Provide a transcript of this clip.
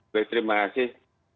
baik terima kasih